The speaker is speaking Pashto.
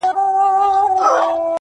• د ربابونو دور به بیا سي -